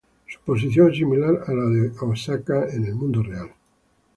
Su posición es similar a la de Osaka en el mundo real.